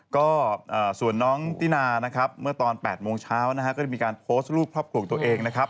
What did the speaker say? ก็ส่วนน้องตินานะครับเมื่อตอน๘โมงเช้านะฮะก็ได้มีการโพสต์รูปครอบครัวของตัวเองนะครับ